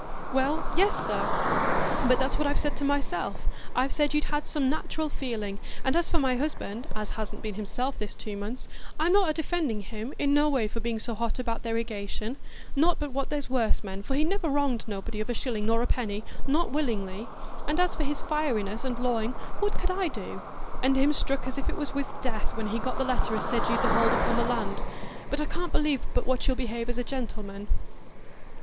"Well, sir, yes. But that's what I've said to myself,—I've said you'd had some nat'ral feeling; and as for my husband, as hasn't been himself for this two months, I'm not a defending him, in no way, for being so hot about th' erigation,—not but what there's worse men, for he never wronged nobody of a shilling nor a penny, not willingly; and as for his fieriness and lawing, what could I do? And him struck as if it was with death when he got the letter as said you'd the hold upo' the land. But I can't believe but what you'll behave as a gentleman."